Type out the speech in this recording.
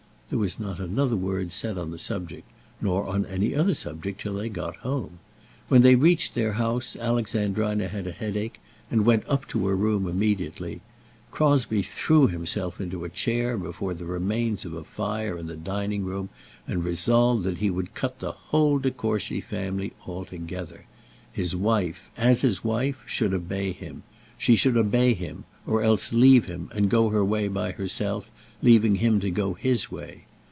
There was not another word said on the subject, nor on any other subject till they got home. When they reached their house Alexandrina had a headache, and went up to her room immediately. Crosbie threw himself into a chair before the remains of a fire in the dining room, and resolved that he would cut the whole De Courcy family altogether. His wife, as his wife, should obey him. She should obey him or else leave him and go her way by herself, leaving him to go his way.